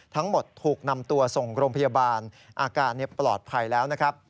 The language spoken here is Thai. ทั้งหมดถูกนำตัวส่งโรงพยาบาลอาการปลอดภัยแล้วนะครับ